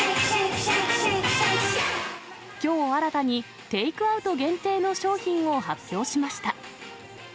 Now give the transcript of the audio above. きょう新たにテイクアウト限定の商品を発表しました。